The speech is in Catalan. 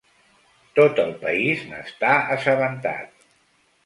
Tot el país n'està assabentat.